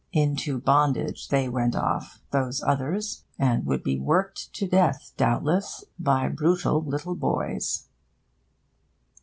Into bondage they went off, those others, and would be worked to death, doubtless, by brutal little boys.